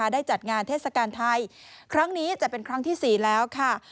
ได้จัดงานเทศกาลไทยครั้งนี้จะเป็นครั้งที่๔แล้วค่ะ